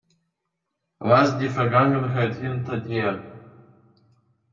Lass die Vergangenheit hinter dir.